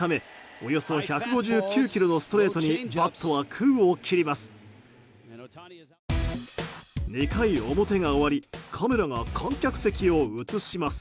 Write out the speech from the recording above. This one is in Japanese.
およそ１５９キロのストレートにバットは空を切ります。